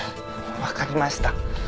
わかりました。